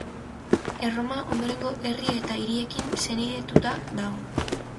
Erroma ondorengo herri eta hiriekin senidetuta dago.